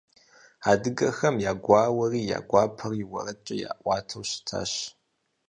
Адыгэхэм я гуауэри, я гуапэри уэрэдкӀэ яӀуатэу щытащ.